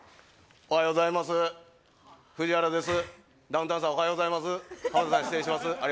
おはようございます藤原です